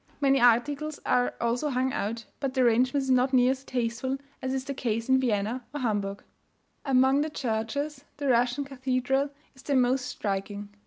Many articles are also hung out, but the arrangement is not near so tasteful as is the case in Vienna or Hamburgh. Among the churches the Russian cathedral is the most striking.